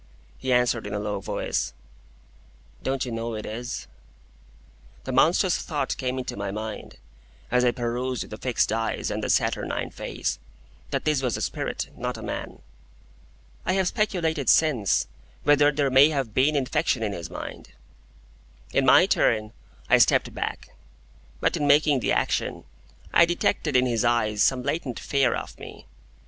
He answered in a low voice,—"Don't you know it is?" The monstrous thought came into my mind, as I perused the fixed eyes and the saturnine face, that this was a spirit, not a man. I have speculated since, whether there may have been infection in his mind. In my turn, I stepped back. But in making the action, I detected in his eyes some latent fear of me.